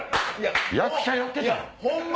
役者やってたやん！